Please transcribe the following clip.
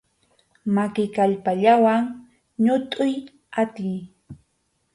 Maki kallpallawan ñutʼuy atiy.